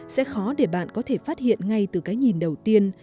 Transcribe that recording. sẽ khó để bạn có thể phát hiện ngay từ cái nhìn đầu tiên